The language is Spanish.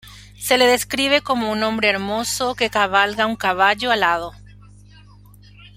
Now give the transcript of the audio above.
Se le describe como un hombre hermoso que cabalga un caballo alado.